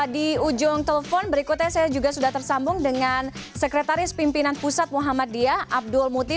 di ujung telepon berikutnya saya juga sudah tersambung dengan sekretaris pimpinan pusat muhammadiyah abdul muti